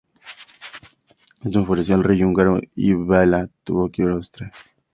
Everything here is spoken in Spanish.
Esto enfureció al rey húngaro y Bela tuvo que huir a Austria.